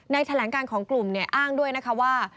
แถลงการของกลุ่มเนี่ยอ้างด้วยนะคะว่า